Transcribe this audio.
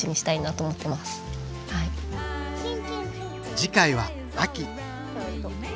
次回は秋。